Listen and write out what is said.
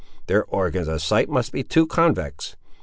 Their organs of sight must be too convex!